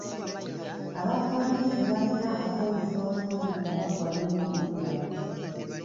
Abapoliisi balina okweyisa bulungi nga bakola emirimu gyabwe.